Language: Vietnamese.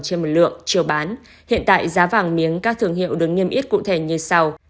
trên một lượng chiều bán hiện tại giá vàng miếng các thương hiệu được niêm yết cụ thể như sau